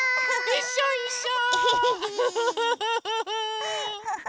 いっしょいっしょ！